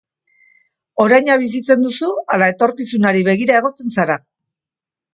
Oraina bizitzen duzu ala etorkizunari begira egoten zara?